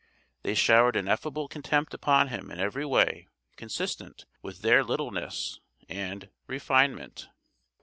They showered ineffable contempt upon him in every way consistent with their littleness and refinement.